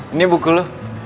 ini buku lo